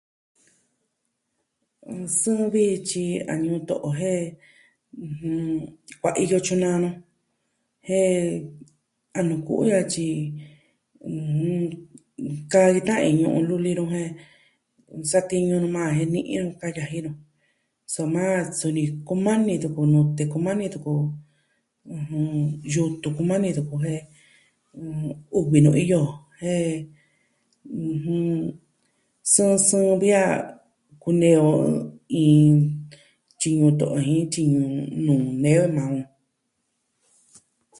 Sɨɨ vi tyi a nuu to'o jen, kuaiyo tyunaa a nu jen... a nuu ku'u ya'a tyi kaa iin ñu'un luli nuu jen, satiñu nuu maa jen ni'i inka yaji nu. Soma, suni kumani tuku nute kumani tuku yutu, ɨjɨn... kumani tuku jen 'vi nuu iyo jen... ɨjɨn... sɨɨn sɨɨn vi a kunee o, iin tyi ñuu to'o jin tyi ñuu nuu nee maa o.